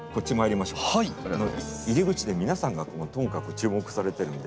入り口で皆さんがとにかく注目されてるので。